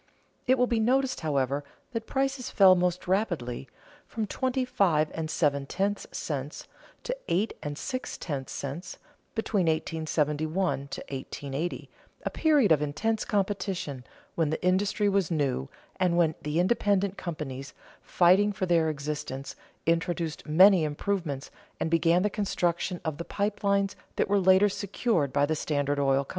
It will be noticed, however, that prices fell most rapidly (from twenty five and seven tenths cents to eight and six tenths cents) between 1871 to 1880, a period of intense competition, when the industry was new, and when the independent companies, fighting for their existence, introduced many improvements and began the construction of the pipe lines that were later secured by the Standard Oil Co.